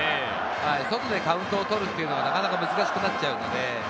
外でカウントを取るというのはなかなか難しくなっちゃうんで。